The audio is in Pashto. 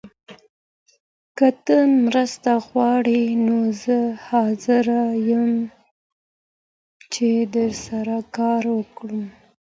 که ته مرسته غواړې نو زه حاضر یم چي درسره کار وکړم.